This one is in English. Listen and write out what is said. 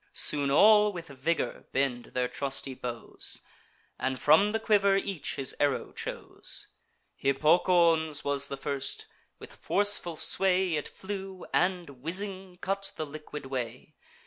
Soon all with vigour bend their trusty bows, And from the quiver each his arrow chose. Hippocoon's was the first: with forceful sway It flew, and, whizzing, cut the liquid way.